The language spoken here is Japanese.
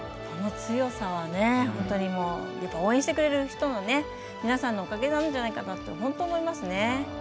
この強さは本当に応援してくれる皆さんのおかげなんじゃないかと本当に思いますね。